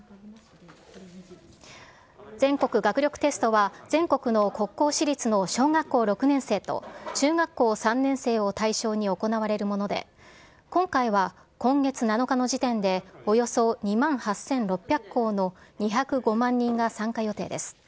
全国学力テストは、全国の国公私立の小学校６年生と中学校３年生を対象に行われるもので、今回は今月７日の時点で、およそ２万８６００校の２０５万人が参加予定です。